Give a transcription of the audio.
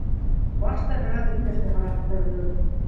Башта бер аҙ өндәшмәй ҡарап торҙо.